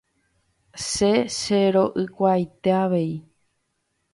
Che chero'ykuaaite avei.